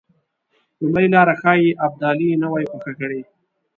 لومړۍ لاره ښایي ابدالي نه وای خوښه کړې.